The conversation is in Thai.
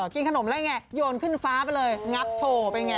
กินขนมอะไรไงโยนขึ้นฟ้าไปเลยงับโชว์ไปไง